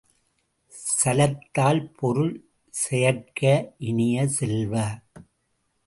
சலத்தால் பொருள் செய்யற்க இனிய செல்வ!